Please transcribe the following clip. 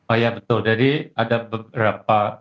oh iya betul jadi ada beberapa